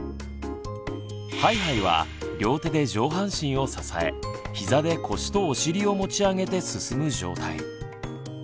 ハイハイは両手で上半身を支え膝で腰とお尻を持ち上げて進む状態。